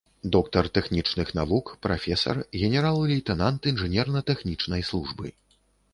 Доктар тэхнічных навук, прафесар, генерал-лейтэнант інжынерна-тэхнічнай службы.